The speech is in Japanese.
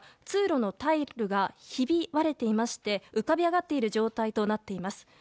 通路のタイルがひび割れていまして浮かび上がっている状態となっています。